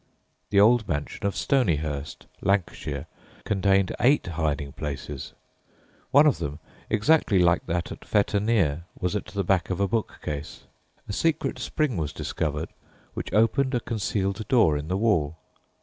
The old mansion of Stonyhurst, Lancashire, contained eight hiding places. One of them, exactly like that at Fetternear, was at the back of a bookcase. A secret spring was discovered which opened a concealed door in the wall.